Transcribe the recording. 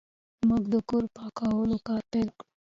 موږ د کور پاکولو کار پیل کړ.